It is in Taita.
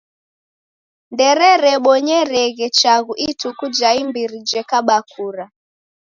Ndererebonyereghe chaghu ituku ja imbiri jekaba kura.